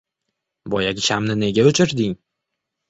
Boyagi shamni nega oʻchirdingiz?